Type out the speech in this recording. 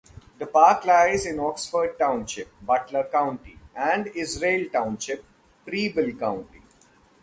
The park lies in Oxford Township, Butler County, and Israel Township, Preble County.